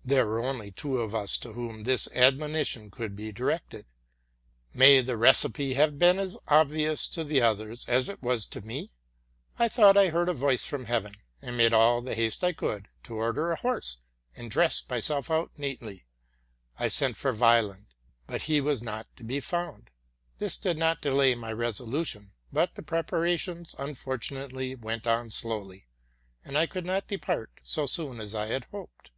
'' There were only two of us to whom this admonition could be directed. May the recipe have been as obvious to the other as it wastome! I thought I heard a voice from heaven, RELATING TO MY LIFE. 55 and made all the haste I could to order a horse and dress myself out neatly. I sent for Weyland, but he was not to be found. 'This did not delay my resolution ; but the prepara tions unfortunately went on slowly, and I could not depart so goon as I had hoped.